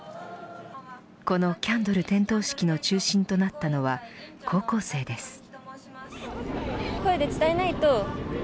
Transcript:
このキャンドル点灯式の中心となったのは高校生です。